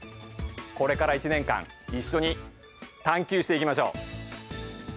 これから１年間一緒に探究していきましょう。